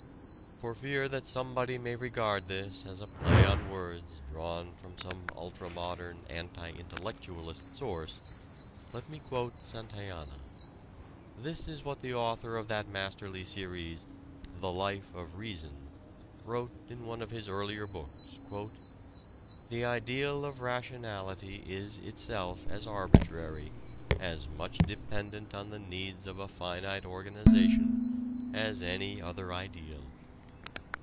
For fear that somebody may regard this as a play on words drawn from some ultra modern "anti intellectualist" source, let me quote Santayana. This is what the author of that masterly series "The Life of Reason" wrote in one of his earlier books: "The ideal of rationality is itself as arbitrary, as much dependent on the needs of a finite organization, as any other ideal.